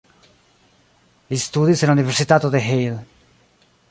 Li studis en la Universitato de Halle.